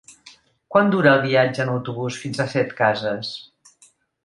Quant dura el viatge en autobús fins a Setcases?